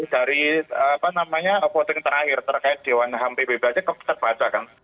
dari voting terakhir terkait dewan ham pbb aja terbaca kan